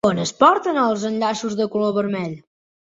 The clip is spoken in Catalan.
On ens porten els enllaços de color vermell?